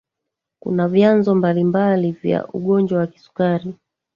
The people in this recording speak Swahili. kuna vyanzo mbalimbali vya ugonjwa wa kisukari